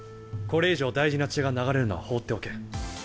これ以上大事な血が流れるのは放っておけん。